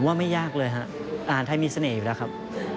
ว่าไม่ยากเลยฮะอ่านไทยมีเสน่ห์อยู่แล้วครับ